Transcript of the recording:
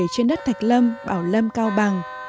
trên đất thạch lâm bảo lâm cao bằng